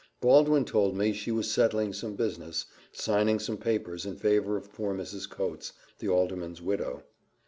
Baldwin told me she was settling some business, signing some papers in favour of poor Mrs. Coates, the alderman's widow.